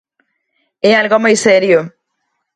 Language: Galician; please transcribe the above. É algo moi serio.